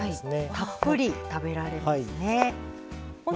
たっぷり食べられますね。